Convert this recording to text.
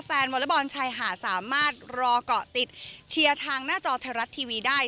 แฟนวอลเตอร์บอลชัยหาสามารถรอกะติดเชียร์ทางหน้าจอเทอรัสทีวีได้